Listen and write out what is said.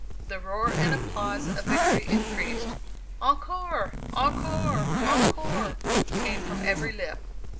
The roar and applause of victory increased. 'Encore! encore! encore!' came from every lip.